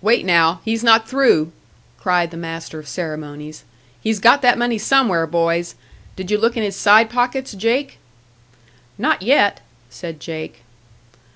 "Wait now! He's not through!" cried the master of ceremonies. "He's got that money somewhere, boys! Did you look in his side pockets, Jake?" "Not yet," said Jake.